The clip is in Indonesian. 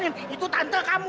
eh cukup muanjak